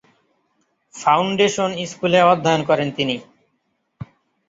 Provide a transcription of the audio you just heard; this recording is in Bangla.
ফাউন্ডেশন স্কুলে অধ্যয়ন করেন তিনি।